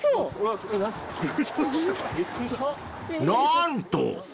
［何と！